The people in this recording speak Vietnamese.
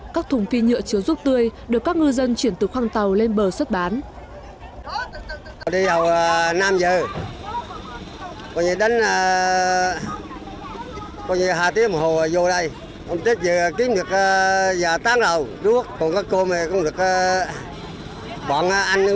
các thùng phi nhựa chứa ruốc tươi được các ngư dân chuyển từ khoang tàu lên bờ xuất bán